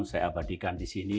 saya abadikan di sini